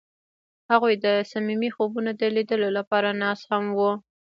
هغوی د صمیمي خوبونو د لیدلو لپاره ناست هم وو.